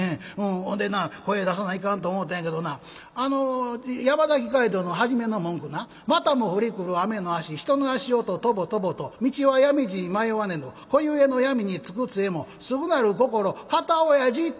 ほんでな声出さないかんと思ったんやけどなあの山崎街道の初めの文句な『またも降りくる雨の足人の足音トボトボと道は闇路に迷わねど子ゆえの闇につく杖もすぐなる心堅親父』と。